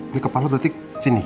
ini kepala berarti sini